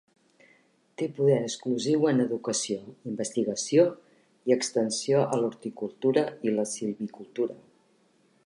Té poder exclusiu en educació, investigació i extensió a l'horticultura i la silvicultura.